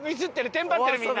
テンパってるみんな。